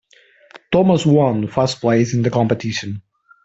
Thomas one first place in the competition.